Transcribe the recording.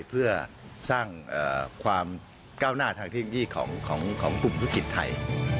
เพื่อสร้างความก้าวหน้าทางเทคโนโลยีของกลุ่มธุรกิจไทย